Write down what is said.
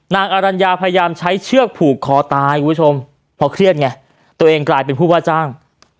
นางอรัญญาพยายามใช้เชือกผูกคอตายคุณผู้ชมเพราะเครียดไงตัวเองกลายเป็นผู้ว่าจ้าง